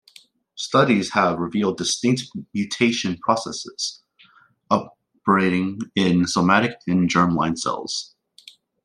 Studies have revealed distinct mutation processes operating in somatic and germline cells.